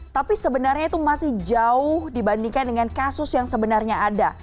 tapi sebenarnya itu masih jauh dibandingkan dengan kasus yang sebenarnya ada